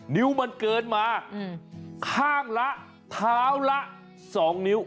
นิ้วมันเกินมาข้างละเท้าละ๒นิ้ว